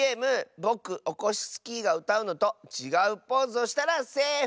ぼくオコシスキーがうたうのとちがうポーズをしたらセーフ！